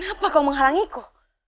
menapa kau menghalangiku